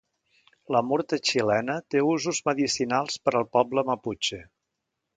La murta xilena té usos medicinals per al poble maputxe.